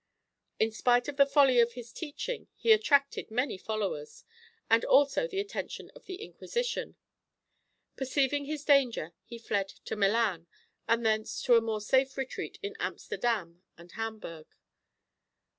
In spite of the folly of his teaching he attracted many followers, and also the attention of the Inquisition. Perceiving his danger, he fled to Milan, and thence to a more safe retreat in Amsterdam and Hamburg.